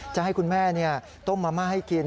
จะให้คุณแม่ต้มมะม่าให้กิน